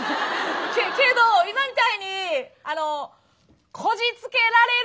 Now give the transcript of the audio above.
けど今みたいにあのこじつけられる人です。